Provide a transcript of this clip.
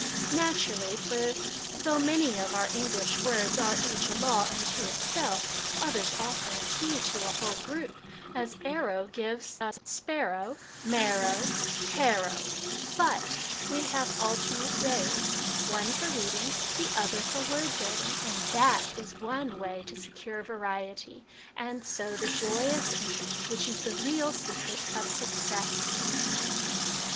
" Naturally ; for though many of our English words are each a law unto itself, others offer a key to a whole group, as arrow gives us sp arrow, m arrow, h arrow ; but we have alternate days one for reading, the other for word building and that is one way to secure variety, and, so, the joyous interest which is the real secret of success."